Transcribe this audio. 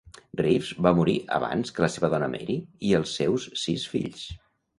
Reeves va morir abans que la seva dona Mary i els seus sis fills.